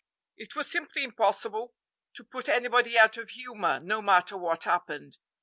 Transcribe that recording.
It was simply impossible to put anybody out of humor, no matter what happened.